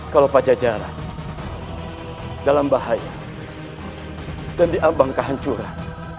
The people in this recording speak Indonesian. kalau pajajaran dalam bahaya dan diambang kehancuran